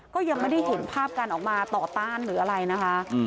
ก็ยังไม่ได้เห็นภาพการออกมาต่อต้านหรืออะไรนะคะ